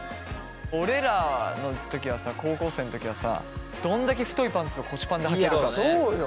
俺らの時はさ高校生の時はさどんだけ太いパンツを腰パンではけるかね。